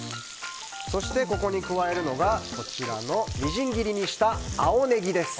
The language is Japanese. そして、ここに食わるのがみじん切りにした青ネギです。